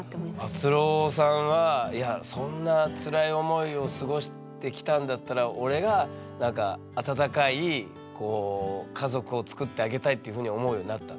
あつろーさんはいやそんな辛い思いを過ごしてきたんだったら俺が温かい家族をつくってあげたいっていうふうに思うようになったんだ。